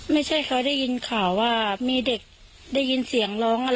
ไม่ใช่เขาได้ยินข่าวว่ามีเด็กได้ยินเสียงร้องอะไร